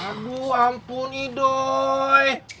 aduh ampun idoi